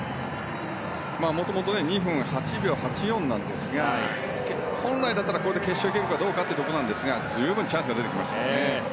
もともと２分８秒８４なんですが本来ならば、これで決勝にいけるかどうかですが十分にチャンスが出てきましたね。